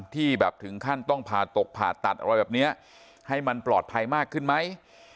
ที่แบบถึงขั้นต้องผ่าตกผ่าตัดอะไรแบบนี้ให้มันปลอดภัยมากขึ้นไหม